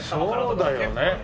あっそうだよね。